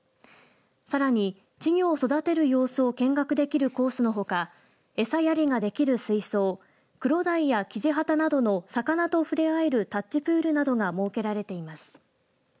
さらに、稚魚を育てる様子を見学できるコースのほか餌やりができる水槽クロダイやキジハタなどの魚と触れ合えるタッチプールなどが設けられています。